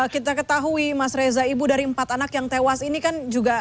kita ketahui mas reza ibu dari empat anak yang tewas ini kan juga